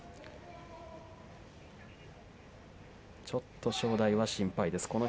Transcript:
ちょっと正代は心配です。